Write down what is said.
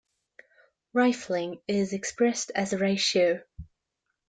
Rifling is expressed as a ratio.